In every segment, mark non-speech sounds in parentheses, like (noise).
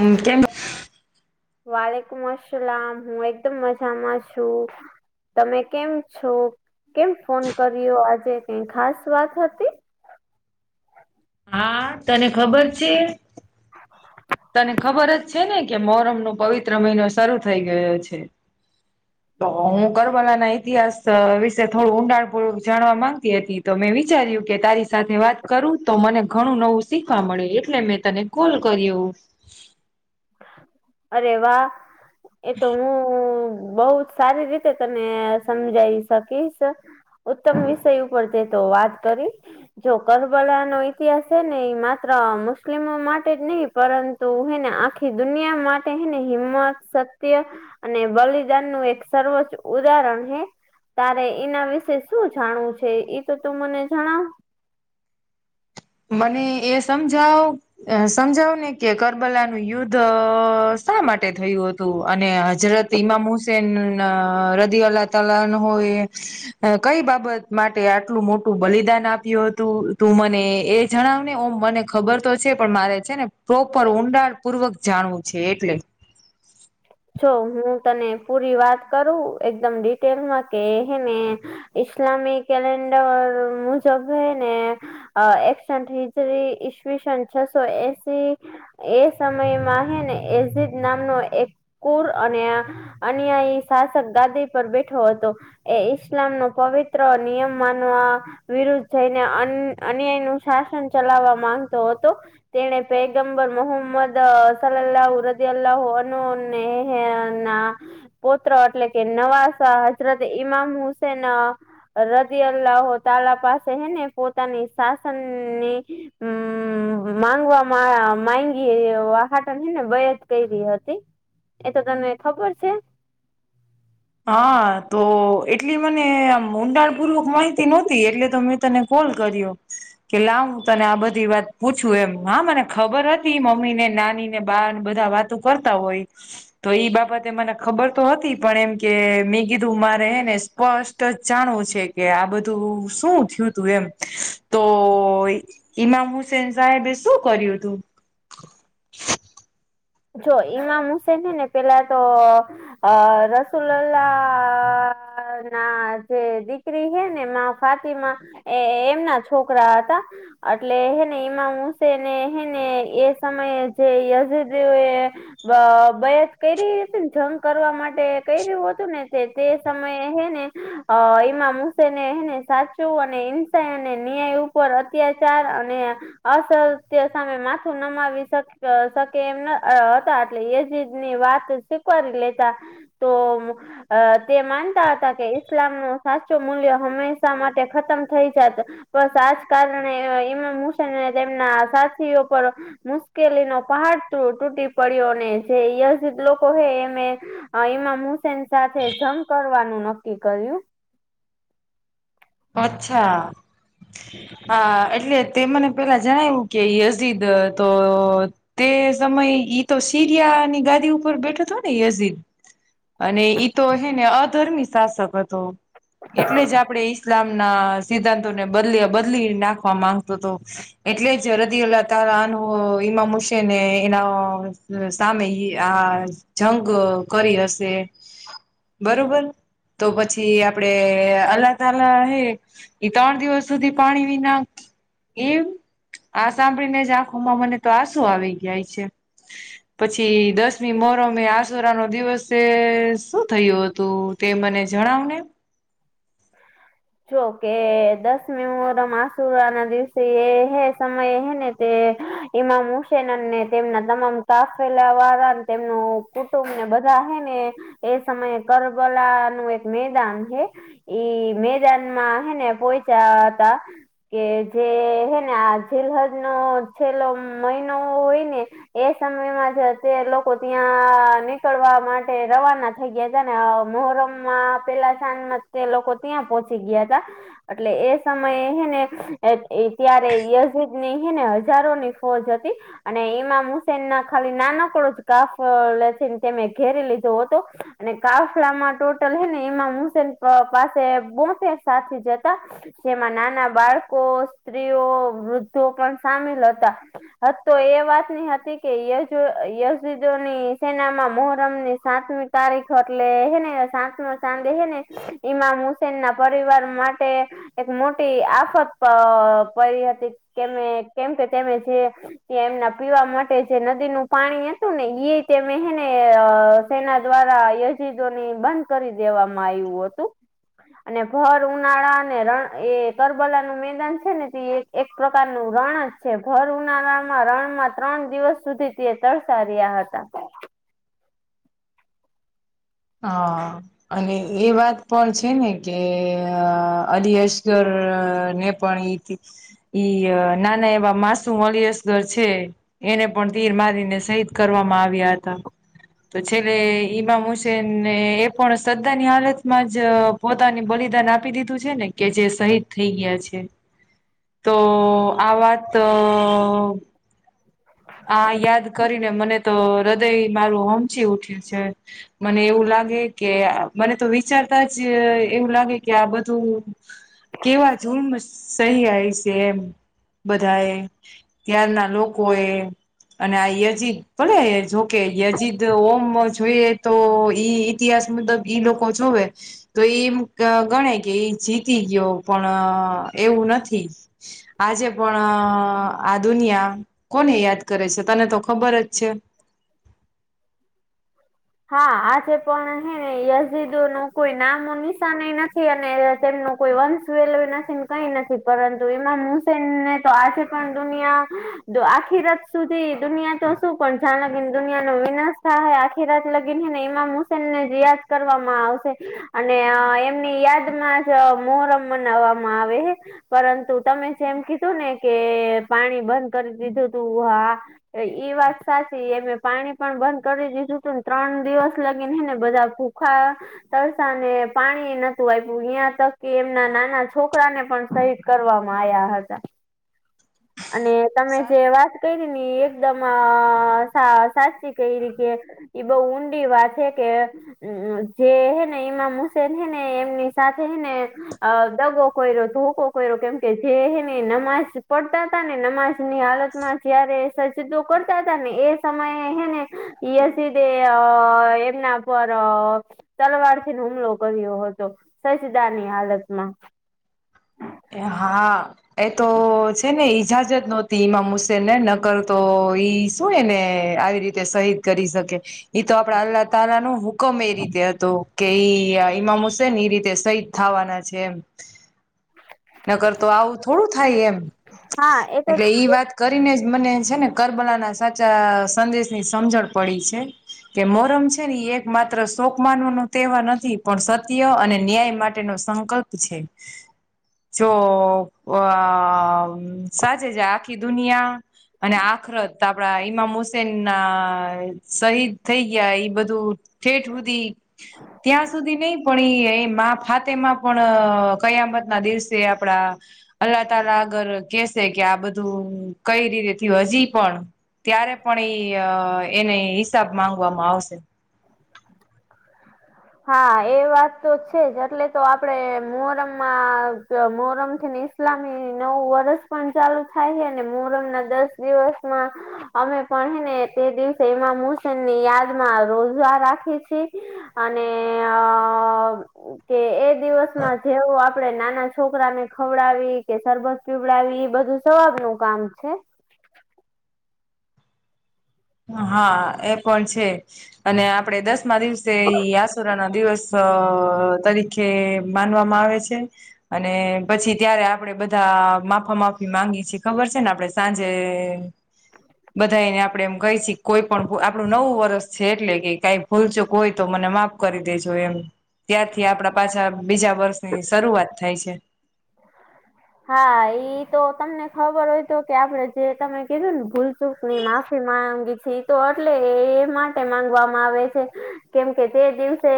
હમ કેમ વાલેકુમ અલામ હું એકદમ મજામાં છું. તમે કેમ છો કેમ ફોન કર્યો આજે કઈ ખાસ વાત હતી. હા તને ખબર છે. તને ખબર જ છે ને કે મોરમ નો પવિત્ર મહિનો શરૂ થઈ ગયો છે. (inaudible) તો હું કરબલા ના ઇતિહાસ વિશે થોડું ઊંડાણ પૂર્વક જાણવા માંગતી હતી. તો મેં વિચાર્યું કે તારી સાથે વાત કરું તો મને ઘણું નવું શીખવા મળ્યું એટલે મેં તને કોલ કરીયુ. અરે વાહ એ તો હું બહુ સારી રીતે તને સમજાઈ શકીશ. ઉત્તમ વિષય ઉપર જે તો વાત કરી જો કરબલા નો ઈતિહાસ છે ને માત્ર મુસ્લિમો માટે જ નહી પરંતુ તો ને આખી દુનિયા માટે માટેને હિંમત સત્ય અને બલિદાન નું એક સર્વોચ્ચ ઉદાહરણ હૈ. તારે એના વિશે શું જાણવું છે એ તો તું મને જણાવ. મને એ સમજાવ અ સમજાવ ને કે કરબલાનું યુદ્ધ શા માટે થયું હતું અને હજરત ઈમામ હુસેન રદી અલ્લાહ ત ન હોય. અ કઈ બાબત માટે આટલું મોટું બલિદાન આપ્યું હતું તું મને એ જણાવ ને ઓમ મને ખબર તો છે પણ મારે છે ને પ્રોપર ઊંડાડ પૂર્વક જાણવું છે એટલે. છ હું તને પૂરી વાત કરું એકદમ ડિટેલમાં હેને ઇસલામી કેલેન્ડર મુજબ હ ને એકક્સ હિજરી ઈસવીસન છસો એસી એ સમયમાં હે ને એઝદ નામનો એક કુર અને અન એ શાસક ગાદ પર બેઠો હતો. એ ઈસ્લામ નો પવિત્ર નિયમ માનવા. વિરુદ્ધ જઈને અન્યાય નું શાસન ચલાવવા માંગતો હતો. તેને પેગમ્બર મોહમ્મદ સલાલાહ ર અલ્લાહ એ હ ના પૌત્ર એટલે કે નવાઝા હજરત ઈમામ હુસેન રદી અલ્લાહો તાલા પાસે હે ને પોતાની શાસનની હમ માંગવા માંગીહાટને બત કરી હતી. એ તો તને ખબર છે. હા તો એટલી મને આ ઊંડાણ પૂર્વક માહિતી નહોતી એટલે તો મેં તને. ફોન કર્યો. કે લાવું તને આ બધી વાત પૂછું એમ હા મને ખબર હતી મમ્મી ને નાની ને બાને બધા વાત. કરતા હોય તો એ બાબતે મને ખબર તો હતી પણ એમ. કે મેં કીધું મારેને સ્પષ્ટ જ જાણવું છે કે આ બધું શું થયું તું એમ. તો ઈમામ હુસેન સાહેબે શું કર્યું હતું. જો ઈમામ હુસેન હે ને પેલા તો. અ રસુલ્લા. ના જે દીકરી હે ને મા ફાતી માં. એ એમના છોકરા હતા એટલે હેને ઈમામ હુસેન હેને એ સમયે જે યજ. તે. બયસ કરી ર હતી ને જંગ કરવા માટે કરી રહ્યું હતું ને તે તે સમયે હે ને. અ ઈમામ હુસેને એને સાચું અને હિંસા અને ન્યાય ઉપર અત્યાચાર અને અસત્ય સામે માથું નમાવી કે એમ હતા એટલે એ જીની વાત શીખવાી લેતા તો. અ તે માનતા હતા કે ઈસ્લામ ન સાચું મૂલ્ય હંમેશા માટે ખતમ થઈ જત. બસ આજ કારણે ઇમ હુસન તેમના સાથીઓ પર. મુશ્કેલી ન પહાડ તૂટી પડ્યો અનેને જે જી લોકો છે એમે. એમાં હુસેન સાથે જંગ કરવાનું નક્કી કર્યું. અચ્છા. હા એટલે તે મને પેલા જણાવ્યું કે યઝીદ તો તે સમય ઈ તો સીરિયાની ગાદી ઉપર બેઠો હતો ને યઝીર! અને ઈ તો હેને અધર્મી શાસક હતો એટલે જ આપડે. ઇસ્લામ ના સિદ્ધાંતો ને બદલ બદલી નાખવા માંગતો હતો. એટલે જ હૃદ અલા તારાનું એમાં મુશે ને એના. સામે આ જંગ કરી હશે. બરોબર તો પછી આપડે અલા તાલા હે ઈ ત્રણ દિવસ સુધી પાણી વિના એ આ સાંભળી ને જ આંખોમાં મને તો આસુ આવી ગાય છે. પછી દસમી મોરમે આસુરા નો દિવસ શું થયું હતું? તે મને જણાવને! હ જોકે દસમી મોરમ આસુર ના દિવસે એ હે સમય હે ને તે. ઈમામ હુસેન અનેને તેમના તમામ કાફેલા વાળા તેમનું કુટુંબ ને બધા હ ને. એ સમયે કરબલા નું એક મેદાન છે. ઈ મેદાન માં હ ને પોચ્યા હતા. કે જે હેને આ જેલહદ નો છેલ્લો મહિનો હોય ને. એ સમયમાં જ તે લોકો ત્યાં નીકળવા માટે રવાના. થઈ ગયા હતા ને મોરમ માં પેલા સાંજ માં તે લોકો ત્યાં પોહોંચી ગયા હતા. એટલે એ સમયે હેને ત્યારે યઝીદ ની હેને હજારોની ફોજ હતી. અને ઈમામ હુસેન ના ખાલી નાનકડો જ કાફ લેસીને તેમે ઘેરી લીધો હતો. અને કાફલામાં ટોટલ હ ને એમાં હસેન પાસે બો સાથે જતા. જેમાં નાના બાળકો, સ્ત્રીઓ, ‌ વૃદ્ધો પણ સામેલ હતા. તો એ વાત નની હતી કે ય યઝુદોની સેનામાં મોહરમ ની સાતમી તારીખ હટલે હને સાંજ ન સાંજે હને. ઈમા હુસેન ના પરિવાર માટે. એક મોટી આફત પડી હતી કે કેમ કે તેમે જે. કે એમના પીવા માટે જે નદીનું પાણી હતું ને એ રતે મેને તેના દ્વારા યજીદોની બંધ કરી દેવામાં આવ્યું હતું. અને ફળ ઉનાળા અને રણ એ કરબલાનુંું મેદાન છે ને તે એક પ્રકારનુંું રણ જ છે ઘર ઉનાળામાં રણમાં ત્રણ દિવસ સુધી તિેતર સાર્યા હતા. હા. અને એ વાત પણ છે ને કે અલી અશગર ને પણ ઈ નાના એવા માસુ અલયસગર છે. એને પણ તીર મારીને શહીદ કરવામાં આવ્યા હતા તો છેલ્લે ઈમા મુ છે ને એ પણ શ્ધા ની હાલતમાં જ પોતાની બલિદાન આપી દીધું છે ને કે જે શહીદ થઈ ગયા છે તો આ વાત હ આ યાદ કરીને મને તો હૃદય મારું હોમચી ઉઠ્યું છે. મને એવું લાગે કે મને તો વિચારતા જ એવું લાગે કે આ બધું કેવા ૂમ સહી આવી છે એમ બધા એ ત્યાંાર ના લોકો એ અને આ યજીદ ભલે જોકે યજીદ ઓમ જોઈએ તો ઈ ઇતિહાસ મુબ ઈ લોકો જોવે તો એમ ગણે કે એ જીતી ગયો પણ એવું નથી. આજે પણ આ દુનિયા કોને યાદ કરે છે તને તો ખબર જ છે. હા આજે પણ હે ને યઝદો નું કોઈ નામ નિશાાન નથી અને તેમનું કોઈ વંશ વેલવે નસીન કઈ નથી પરંતુ એમના હુસેનને તો આજે પણ દુનિયા આખી રાત સુધી દુનિયા તો શું પણ જણકને દુનિયા ન વિનાશ આખી રાત લગીને ને ઈમામ હુસેન ને રીિયાજ કરવામાં આવશે. અને એમની યાદ માં જ મોહ્રમ મનાવવામાં આવે પરંતુ તમે જેમ કીધું ને કે પાણી બંધ કરી દીધું તું હા એ વાત સાચી એમે પાણી પણ બંધ કરી દીધું ત ત્રણ દિવસ લાગીનેને બધા ભૂખા તળસા ને પાણી નતું આપ્યું ્યાં તકી એમના નાના છોકરા ને પણ સ કરવામાં આવ્યા હતા. અને તમે સા જે વાત કરી ને એકદમ સાચી ક ર કે એઈ બહ ઊંડી વા છે કે હમ જે હે ને ઈમામ હુસેન હે ને એમની સાથે હે ને અ દગો કોઈ્યો ધોકો કોરો્યો કેમ કે જેને નમાજ પડતા ને નમાજ ની હાલતમાં જયારે સજજદો કરતા હતા ને એ સમયેને ઈસીધે એમના પર તલવારથી ન હુમલો કર્યો હતો સસદા ની હાલતમાં હા એ તો છે ને ઈજાજત નહો ઈમામ હુસેન ને નકર તો ઈ શું એ ને આવી રીતે શહીદ કરી શકે એ તો આપડડા અલ્લા ત ન હકમ એ રીતે હતો કે ઈ ઈમામ હુસેન એ રીતે સહીદ થવાના છે એમ. ન કરર તો આવું થોડું થાય એમ હા એ તો એટલે ઈ વાત કરીને જ મને છે ને કરબલાના સાચા સંદેશની સમજણ પડી છે. કે મોરમ છે ને એ એક માત્ર શોક માનવાનું તહેવાર નથી પણ સત્ય અને ન્યાય માટેનો સં વકલ્પ છે જો અ સાચે છે આખી દુનિયા અને આખર ત આપડા ઈમામ હુસેન ના શહીદ થઈ ગયા બધું હેઠુંધ. ત્યાં સુધી નહી પણ એ એ મા ફાતે માં પણ કયા. નદીશ છે આપડા. અલ્લાહ તલા આગર કેસે કે આ બધું કઈ રીતે થી હજી પણ. ત્યારે પણ ઈ એને હિસાબ માંગવામાં આવશે. (inaudible) હા એ વાત તો છે જ એટલે તો આપડે મોરમમાં મોહરમ થી. સ્લામી નવું વર્ષ પણ ચાલુ થાય છે ને મોરમ ના દસ દિવસમાં. અમે પણ હે ને તે દિવસે એમાં હસેન ની યાદમાં રોજ. ઉ રાખી છે અને કે એ. દિવસમાં જેવું આપણે આપડે નાના છોકરાને ખવડાવી કે સરબત પીવડાવી એ બધું (unintelligible) નું કામ છે. હા એ પણ છે. અને આપડે દસમા દિવસે આસુરા ના દિવસ તરીકે. કે માનવામાં આવે છે. અને પછી ત્યારે આપડે બધા માફા માફી માંગી છીએ ખબર છે ને આપડે. સાંજે બધાાઈને આપડે એમ. કઈ છે કોઈ પણ આપણું નવું વર્ષ છે એટલે કે કઈ ભૂલજો કોઈ તો મને માફ કરી દેજો એમ. ત્યારથી આપડા પાછા બીજા વર્ષની શરૂઆત થાય છે. હા એ તો તમને ખબર હોય તો કે આપડે જે તમે કધય ને ભૂલ. ચૂકની માફી માંગી છેી તો એટલે એ માટે માંગવામાં આવે છે. કેમ કે જે દિવસે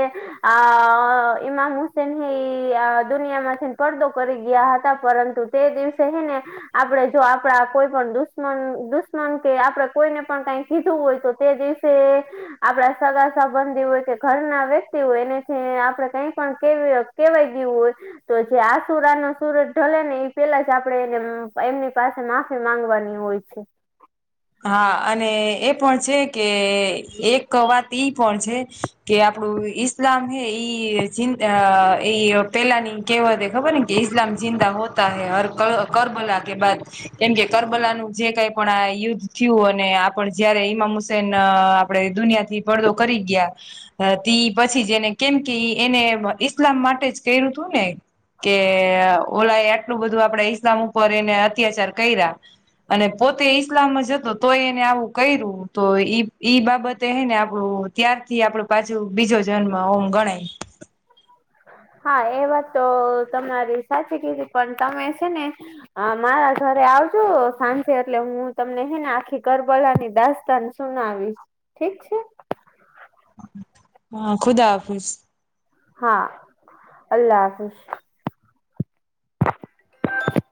આ ઈમામ હુસેન ઈ દુનિયામાં છે. પડદો કરી ગયા હતા પરંતુ તે દિવસેહીને. આપડણે જો આપડા કોઈ પણ દુશ્મન દુશ્મન કે આપડે કોઈને પણ કઈ કીધું હોય તો તે દિવ. તે. આપડા સગા સંબંધી હોય કે ઘરના વ્યક્તિ હોય એનેથી આપડે કઈ પણ કેવી. કેવાય ગયવું હોય તો જે આ સુરા નો સુરજ લે ને એ પેલા જ આપડે એને એમની પાસે માફી માંગવાની હોય છે. હા અને એ પણ છે કે એક વાત ઈ પણ છે. કે આપડું ઈસ્લામ હે ઈ ઈ પેલાની. કેવાતે ખબર ને કે ઇસલામ જિંદા હોતા હૈ હર કરબલા કે બા. કેમ કે કરબલાનું જે કઈ પણ યુધ. થયું અને આપણ જયારે ઈમામ હુસેન આપડે દુનિયાથી ભલો કરી ગયા. તે પછી જેને કેમ કે એને ઈસ્લામ માટે જ. કું તું ને કે ઓલા એક. એટલું બધું આપણેે ઈસ્લામ ઉપર એને અત્યાચાર કર્યા અને પોતે ઈસ્લામ જ. તો તોય એને આવું કર્યું તો ઈ બાબતે હ ને આપણું ત્યાર. થી આપડું પાછું બીજો જન્મ ઓમ ગણાય. હા એ વાત તો તમારી સાચી કીધી પણ તમે છે ને. હા મારા ઘરે આવજો સાંજે એટલે હું તમને હ ને આખી કરબલા ની દસ્તા. સુનાવીશ ઠીક છે. હા ખુદા હાફિઝ. હા અલ્લાહ હાફિજ.